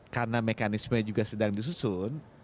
karena mekanisme juga sedang disusun